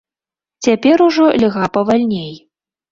Цяпер ужо льга павальней.